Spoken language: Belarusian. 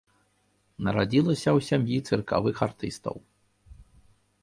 Нарадзілася ў сям'і цыркавых артыстаў.